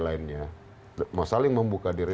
lainnya masalah yang membuka diri